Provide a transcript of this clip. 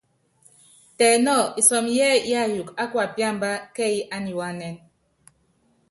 Tɛ nɔ́ɔ isɔmɔ yɛ́ɛ́yí yáyuukɔ á kuapíámbá kɛ́ɛ́yí ániwáánɛn.